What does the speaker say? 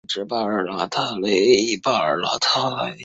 巴尔纳维尔卡尔特雷。